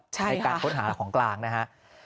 ในการค้นหาของกลางนะครับ